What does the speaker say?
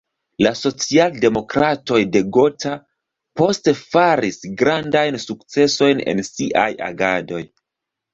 La socialdemokratoj de Gotha poste faris grandajn sukcesojn en siaj agadoj.